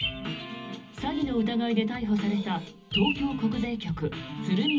詐欺の疑いで逮捕された東京国税局鶴見